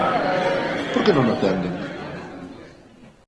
¿Por que non o atenden?